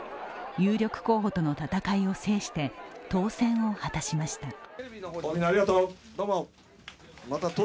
有力候補との戦いを制して当選を果たしました。